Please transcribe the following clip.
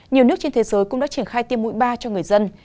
nhiều nước trên thế giới cũng đã triển khai tiêm mũi ba cho người dân